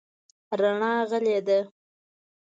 رڼا غلې ده .